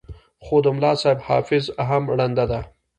خو د ملاصاحب حافظه هم ړنده ده.